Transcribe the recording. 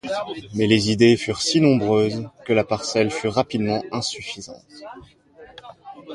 Mais les idées furent si nombreuses que la parcelle fut rapidement insuffisante.